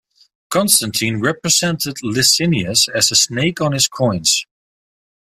Constantine represented Licinius as a snake on his coins.